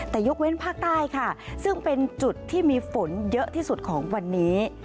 แต่ยกเว้นภาคใต้ค่ะซึ่งเป็นจุดที่มีฝนเยอะที่สุดของวันนี้